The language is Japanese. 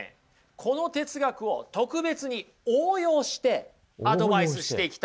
この哲学を特別に応用してアドバイスしていきたいと思います。